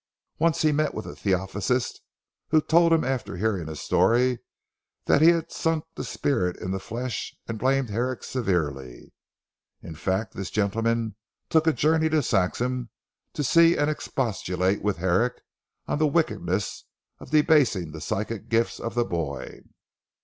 Once he met with a Theosophist who told him, after hearing his story, that he had sunk the spirit in the flesh and blamed Herrick severely. In fact, this gentleman took a journey to Saxham to see and expostulate with Herrick on the wickedness of debasing the psychic gifts of the boy.